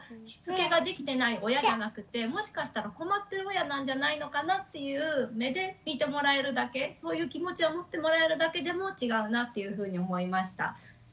しつけができてない親じゃなくてもしかしたら「困ってる親」なんじゃないのかなっていう目で見てもらえるだけそういう気持ちを持ってもらえるだけでも違うなというふうに思いました。